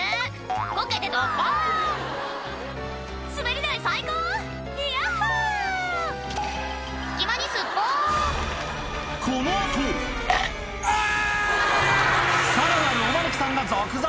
こけてドッボン「滑り台最高！イヤッホ！」隙間にスッポンこの後アァ！